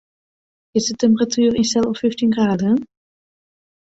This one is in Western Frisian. Kinst de temperatuer ynstelle op fyftjin graden?